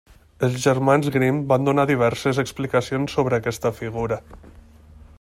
Els germans Grimm van donar diverses explicacions sobre aquesta figura.